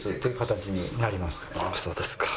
そうですか。